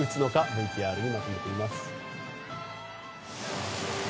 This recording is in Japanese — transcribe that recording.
ＶＴＲでまとめています。